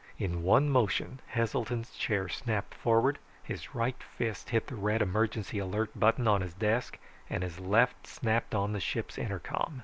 In one motion Heselton's chair snapped forward, his right fist hit the red emergency alert button on his desk, and his left snapped on the ship's intercom.